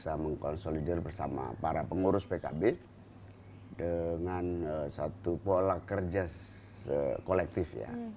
saya mengkonsolider bersama para pengurus pkb dengan satu pola kerja kolektif ya